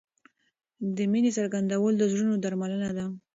د مینې څرګندول د زړونو درملنه ده.